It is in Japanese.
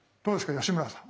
吉村さん。